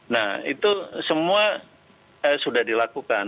nah itu semua sudah dilakukan